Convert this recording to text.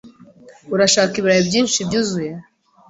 Urashaka ibirayi byinshi byuzuye?